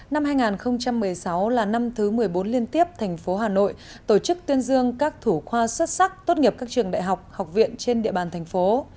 năm hai nghìn một mươi sáu là năm thứ một mươi bốn liên tiếp thành phố hà nội tổ chức tuyên dương các thủ khoa xuất sắc tốt nghiệp các trường đại học học viện trên địa bàn thành phố